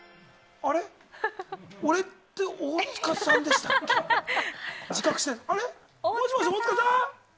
あれ、俺って大塚さんでしたっけ。